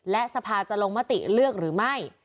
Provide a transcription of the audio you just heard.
และสภาจะลงมติเลือกหรือไม่